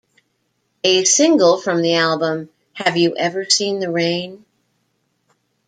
A single from the album, Have You Ever Seen the Rain?